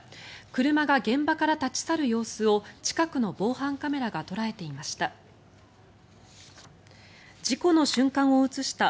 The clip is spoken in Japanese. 車が現場から立ち去る様子を近くの防犯カメラが捉えていました。